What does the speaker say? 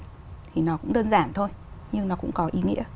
thì nó cũng đơn giản thôi nhưng nó cũng có ý nghĩa